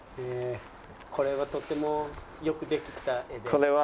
「これはとてもよくできた画です」。